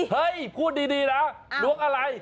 พูดดีนะล้วงอะไร